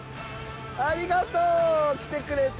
ありがとう来てくれて。